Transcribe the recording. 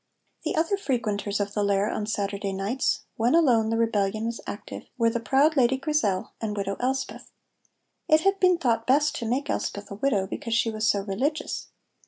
The other frequenters of the lair on Saturday nights (when alone the rebellion was active) were the proud Lady Grizel and Widow Elspeth. It had been thought best to make Elspeth a widow, because she was so religious.